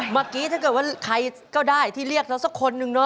เมื่อกี้ถ้าเกิดว่าใครก็ได้ที่เรียกเราสักคนนึงเนาะ